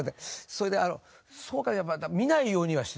それでそうかやっぱだから見ないようにはしてたんです。